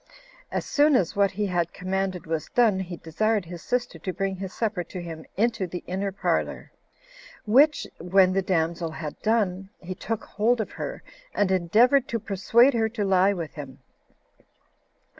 As soon as what he had commanded was done, he desired his sister to bring his supper to him into the inner parlor; which, when the damsel had done, he took hold of her, and endeavored to persuade her to lie with him.